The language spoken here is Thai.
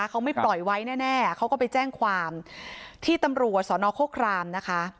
เขาไม่ปล่อยไว้แน่เขาก็ไปแจ้งความที่ตำรวจสนโครครามนะคะ